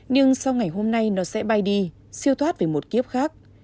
nhưng sau ngày hôm nay nó sẽ bay đi siêu thoát về một kiếp khác